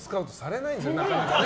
なかなか。